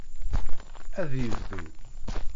Ad yebdu.